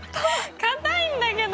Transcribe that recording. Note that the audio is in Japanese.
硬いんだけど。